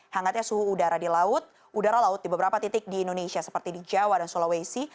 hangatnya suhu udara di laut udara laut di beberapa titik di indonesia seperti di jawa dan sulawesi